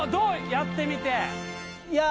やってみていや